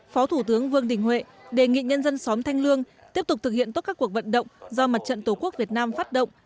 phó thủ tướng vương đình huệ đề nghị nhân dân xóm thanh lương tiếp tục thực hiện tốt các cuộc vận động do mặt trận tổ quốc việt nam phát động